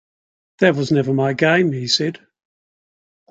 "That was never my game," he said.